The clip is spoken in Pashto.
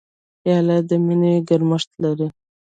پیاله د مینې ګرمښت لري.